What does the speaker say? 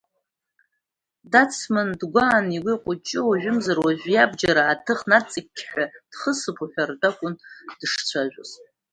Дацман дгуааны игу еиҟуҷҷо, уажәымзар ожәы иабџьар ааҭыхны, аҵыкьҳәа дхысып уҳәартә акун дышцәажәоз.